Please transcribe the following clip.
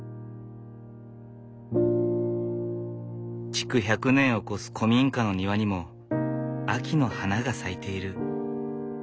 築１００年を超す古民家の庭にも秋の花が咲いている。